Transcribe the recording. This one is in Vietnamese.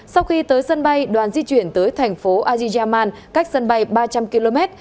sau khi tới sân bay đoàn di chuyển tới thành phố ajiyaman cách sân bay ba trăm linh km